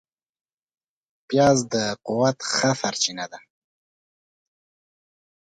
پیاز د قوت ښه سرچینه ده